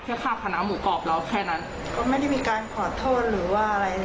ค่าคณะหมูกรอบเราแค่นั้นก็ไม่ได้มีการขอโทษหรือว่าอะไร